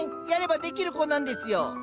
やればできる子なんですよ。